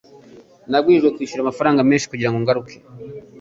Nabwirijwe kwishyura amafaranga menshi kugirango ngaruke.